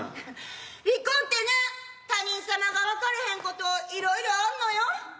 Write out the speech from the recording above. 離婚って他人様が分からへんこといろいろあんのよ。